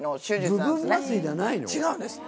違うんです。